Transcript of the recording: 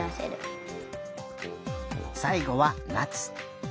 さいごはなつ。